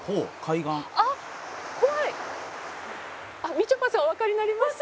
「みちょぱさんおわかりになりました？」